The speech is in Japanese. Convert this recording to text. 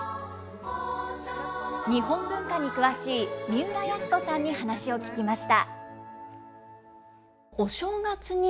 日本文化に詳しい三浦康子さんに話を聞きました。